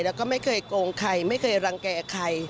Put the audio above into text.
แล้วก็ไม่เคยโกงใครไม่เคยรังแก่ใคร